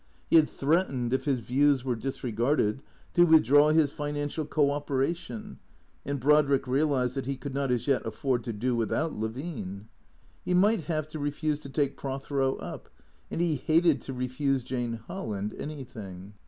He had threatened, if his views were disregarded, to withdraw his financial co operation, and Brodrick realized that he could not as yet afford to do without Levine. He might have to refuse to take Prothero up, and he hated to refuse Jane Hol land anything.